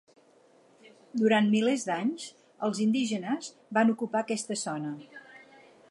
Durant milers d'anys, els indígenes van ocupar aquesta zona.